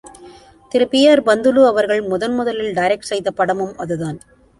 திரு பி.ஆர்.பந்துலு அவர்கள் முதன் முதலில் டைரக்ட் செய்த படமும் அதுதான்!